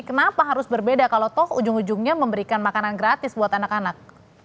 kenapa harus berbeda kalau toh ujung ujungnya memberikan makanan gratis buat anak anak